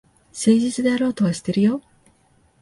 誠実であろうとはしてるよ。